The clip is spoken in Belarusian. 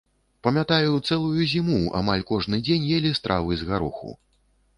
Памятаю, цэлую зіму амаль кожны дзень елі стравы з гароху.